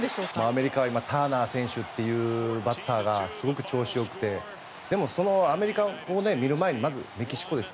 アメリカはターナー選手というバッターがすごく調子が良くてでも、そのアメリカを見る前にまずメキシコです。